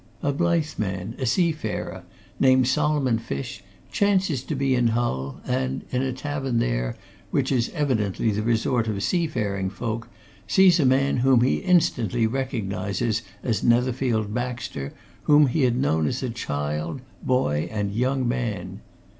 "A Blyth man, a seafarer, named Solomon Fish, chances to be in Hull and, in a tavern there which is evidently the resort of seafaring folk, sees a man whom he instantly recognizes as Netherfield Baxter, whom he had known as child, boy and young man.